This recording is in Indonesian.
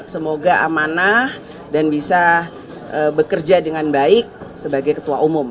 semoga amanah dan bisa bekerja dengan baik sebagai ketua umum